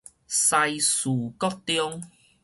西嶼國中